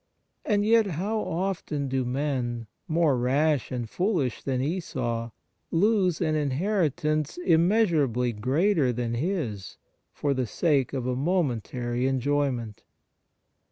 And yet how often do men, more rash and foolish than Esau, lose an inheritance immeasurably greater than his for the sake of a momentary enjoy ment